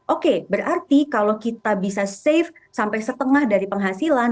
oke berarti kalau kita bisa save sampai setengah dari penghasilan